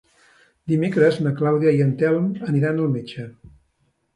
Dimecres na Clàudia i en Telm aniran al metge.